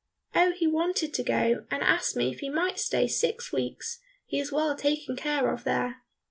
"Oh, he wanted to go, and asked me if he might stay six weeks, he is well taken care of there."